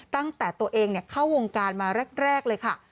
ตั้งแต่ตัวเองเข้าวงการมาแรกเลยค่ะ